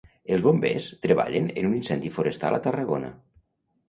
Els Bombers treballen en un incendi forestal a Tarragona.